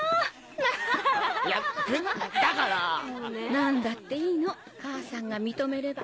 何だっていいの母さんが認めれば。